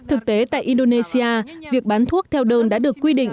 thực tế tại indonesia việc bán thuốc theo đơn đã được quy định